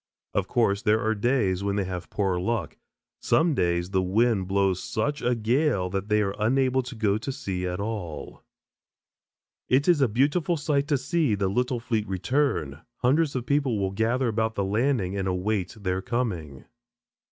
Of course, there are days when they have poorer luck. Some days the wind blows such a gale that they are unable to go to sea at all. It is a beautiful sight to see the little fleet return. Hundreds of people will gather about the landing and await their coming.